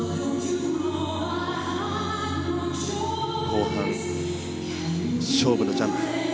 後半、勝負のジャンプ。